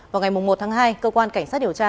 vào ngày một tháng hai cơ quan cảnh sát điều tra